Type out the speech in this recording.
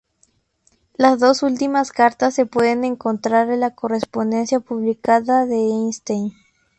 Las dos últimas cartas se pueden encontrar en la correspondencia publicada de Einstein.